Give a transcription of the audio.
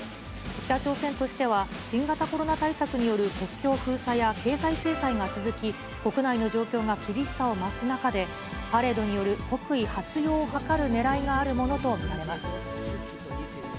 北朝鮮としては、新型コロナ対策による国境封鎖や、経済制裁が続き、国内の状況が厳しさを増す中で、パレードによる国威発揚を図るねらいがあるものと見られます。